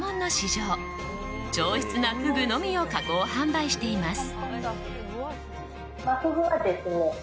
上質なフグのみを加工・販売しています。